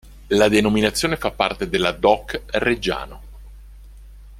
La denominazione fa parte della Doc "Reggiano".